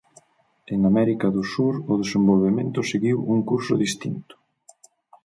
En América do Sur o desenvolvemento seguiu un curso distinto.